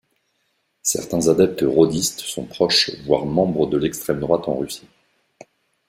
Certains adeptes rodistes sont proches voire membres de l'extrême droite en Russie.